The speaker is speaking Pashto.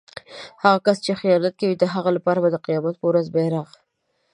هغه کس چې خیانت کوي د هغه لپاره به د قيامت په ورځ بیرغ